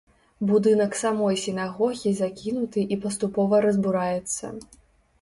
Будынак самой сінагогі закінуты і паступова разбураецца.